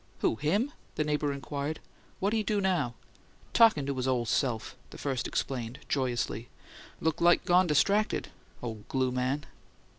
"Who? Him?" the neighbour inquired. "What he do now?" "Talkin' to his ole se'f!" the first explained, joyously. "Look like gone distracted ole glue man!"